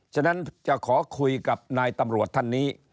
ฉะนั้นจะขอคุยกับนายตำรวจท่านนี้